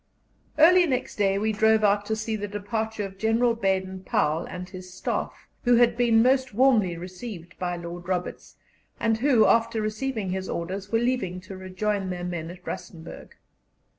Early next day we drove out to see the departure of General Baden Powell and his Staff, who had been most warmly received by Lord Roberts, and who, after receiving his orders, were leaving to rejoin their men at Rustenburg.